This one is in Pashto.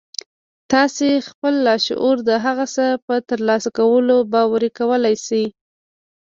تاسې خپل لاشعور د هغه څه په ترلاسه کولو باوري کولای شئ